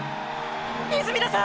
泉田さん！！